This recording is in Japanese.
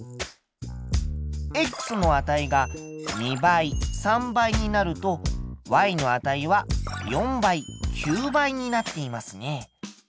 の値が２倍３倍になるとの値は４倍９倍になっていますね。